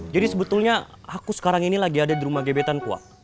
jadi sebetulnya aku sekarang ini lagi ada di rumah gebetanku wak